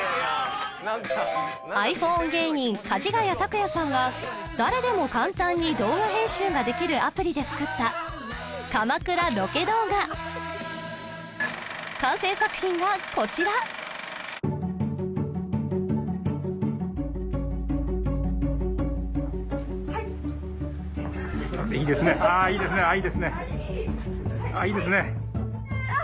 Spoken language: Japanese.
ｉＰｈｏｎｅ芸人かじがや卓哉さんが誰でも簡単に動画編集ができるアプリで作った鎌倉ロケ動画完成作品がこちらはいいいですねああいいですねああいいですねあっいい